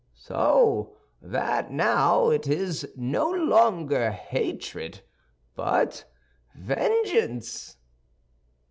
"So that now it is no longer hatred, but vengeance."